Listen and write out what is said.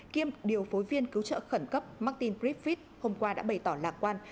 kiêm điều phối viên cứu trợ khẩn cấp martin griffith hôm qua đã bày tỏ lạc quan